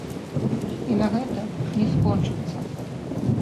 І на гэтым не скончыцца.